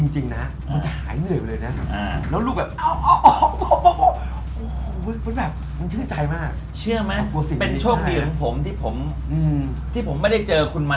จริงนะมันจะหายเหนื่อยไปเลยนะ